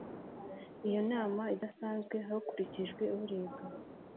iyo nama idasanzwe hakurikijwe urebwa